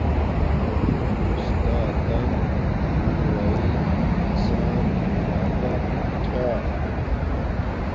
استاتن مونوواݵ انسان اراگا چھا